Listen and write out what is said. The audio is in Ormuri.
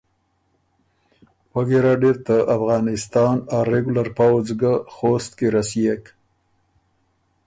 پۀ ګیرډ اِر ته افغانستان ا ریګولر پؤځ ګۀ خوست کی رسيېک